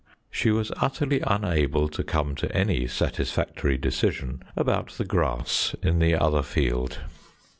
She was utterly unable to come to any satisfactory decision about the grass in the other field.